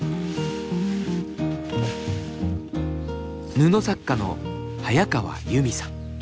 布作家の早川ユミさん。